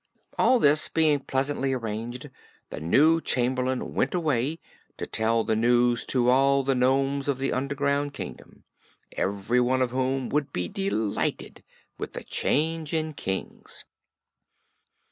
All this being pleasantly arranged, the new Chamberlain went away to tell the news to all the nomes of the underground Kingdom, every one of whom would be delighted with the change in Kings.